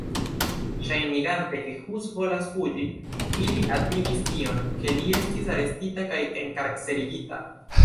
Ŝajnigante, ke Hus volas fuĝi, ili atingis tion, ke li estis arestita kaj enkarcerigita.